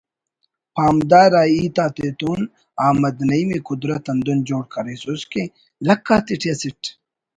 پامدار آ ہیت آتتون احمد نعیم ءِ قدرت ہندن جوڑ کریسس کہ لکھ آتیٹی اسٹ